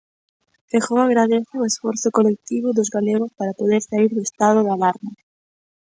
Feijóo agradece o esforzo colectivo dos galegos para poder saír do estado de alarma.